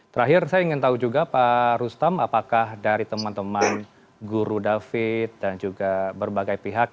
terakhir saya ingin tahu juga pak rustam apakah dari teman teman guru david dan juga berbagai pihak